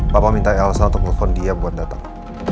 papa minta elsa untuk telepon dia buat datang